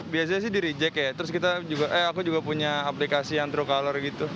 biasanya sih di reject ya terus kita juga eh aku juga punya aplikasi yang true color gitu